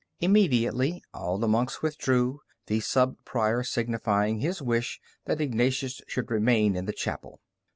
Immediately all the monks withdrew, the subprior signifying his wish that Ignatius should remain in the chapel.